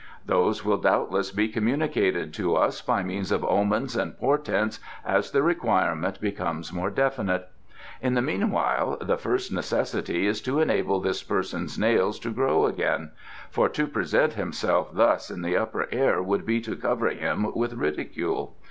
"Those will doubtless be communicated to us by means of omens and portents as the requirement becomes more definite. In the meanwhile the first necessity is to enable this person's nails to grow again; for to present himself thus in the Upper Air would be to cover him with ridicule.